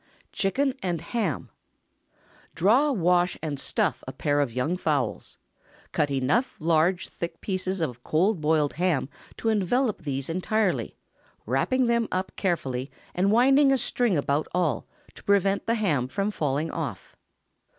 CHICKEN AND HAM. ✠ Draw, wash, and stuff a pair of young fowls. Cut enough large, thick slices of cold boiled ham to envelop these entirely, wrapping them up carefully, and winding a string about all, to prevent the ham from falling off.